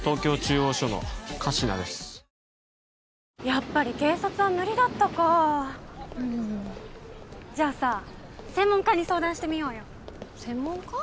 やっぱり警察は無理だったかうんじゃあさ専門家に相談してみようよ専門家？